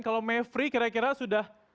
kalau mevri kira kira sudah